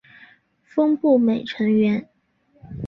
峰步美成员。